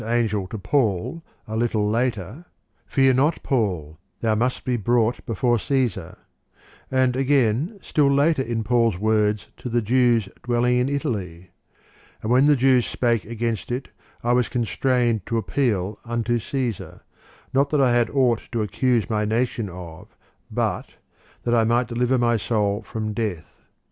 Ad! 25. 10. Ch. xm] DE MONARCHIA 189 angel to Paul a little later: " Fear not, Paul; thou must be brought before Caesar;'" and ag^n still later in Paul's words to the Jews dwelling in Italy : "And when the Jews spake against it, I was constrained to appeal unto Caesar; not that I had aught to accuse my nation of," but " that I might deliver my soul from death."'